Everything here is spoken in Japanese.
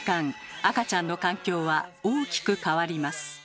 赤ちゃんの環境は大きく変わります。